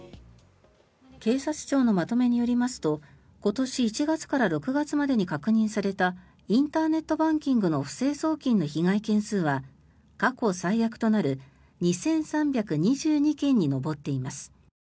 警察庁のまとめによりますと今年１月から６月までに確認されたインターネットバンキングの不正送金の被害件数は過去最悪となる２３２２件に上っています。